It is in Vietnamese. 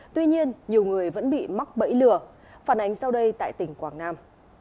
tuy nhiên nhiều người vẫn bị mắc bẫy lừa phản ánh sau đây tại tỉnh quảng nam